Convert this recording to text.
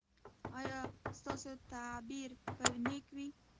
ایا ستاسو تعبیر به نیک وي؟